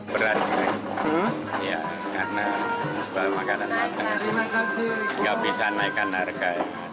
berat ya karena makanan makanan tidak bisa naikkan harga